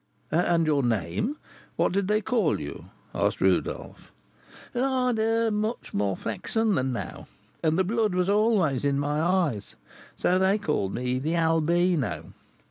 "And your name? What did they call you?" asked Rodolph. "I had hair much more flaxen than now, and the blood was always in my eyes, and so they called me the 'Albino.'